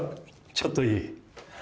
ちょっといい？